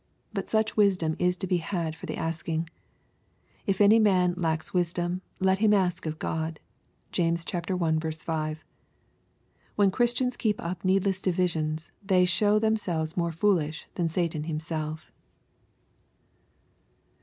But such wisdom is to be had for the asking. " If any man lack wisdom, let him ask of God." (James i. 5.) When Christians keep up needless divisions they show themselves more foolish than Satan himself.